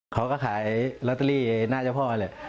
เขาก็ขายลอตารีน่าจะพอไปเลย